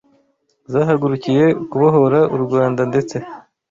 zahagurukiye kubohora u Rwanda ndetse